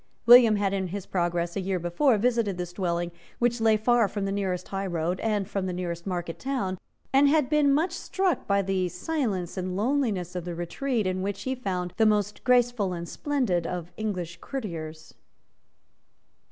William had, in his progress a year before, visited this dwelling, which lay far from the nearest high road and from the nearest market town, and had been much struck by the silence and loneliness of the retreat in which he found the most graceful and splendid of English courtiers.